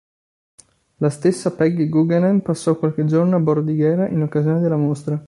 La stessa Peggy Guggenheim passò qualche giorno a Bordighera in occasione della mostra.